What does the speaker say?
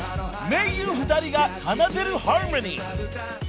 盟友２人が奏でるハーモニー］